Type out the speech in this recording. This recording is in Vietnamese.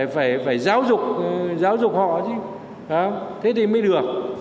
phải giáo dục họ chứ thế thì mới được